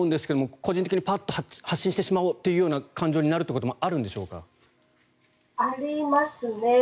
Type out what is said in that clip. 個人的にパッと発信してしまおうという気持ちになることもありますね。